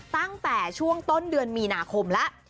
ตั้งแต่ช่วงต้นเดือนมีนาคมแล้ว